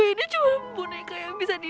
mereka juga udah ngatur perasaan gue